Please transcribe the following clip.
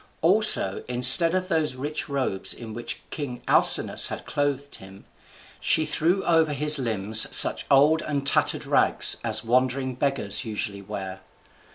Also, instead of those rich robes in which king Alcinous had clothed him, she threw over his limbs such old and tattered rags as wandering beggars usually wear.